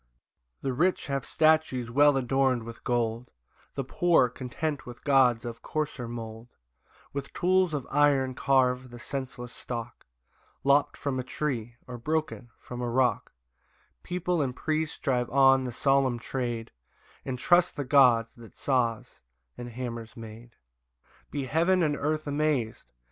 4 The rich have statues well adorn'd with gold; The poor, content with gods of coarser mould, With tools of iron carve the senseless stock, Lopt from a tree, or broken from a rock: People and priest drive on the solemn trade, And trust the gods that saws and hammers made.] 5 Be heaven and earth amaz'd!